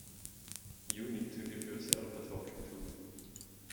You need to give yourself a talking to.